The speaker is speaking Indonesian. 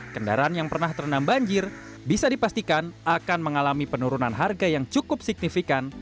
kendaraan yang pernah terendam banjir bisa dipastikan akan mengalami penurunan harga yang cukup signifikan